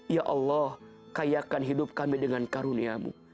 ya allah kayakan hidup kami dengan karuniamu